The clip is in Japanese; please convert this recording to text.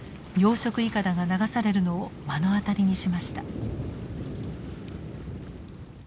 養殖いかだが流されるのを目の当たりにしました。